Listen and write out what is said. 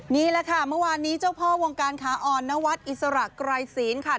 นี่แหละค่ะเมื่อวานนี้เจ้าพ่อวงการขาอ่อนนวัดอิสระไกรศีลค่ะ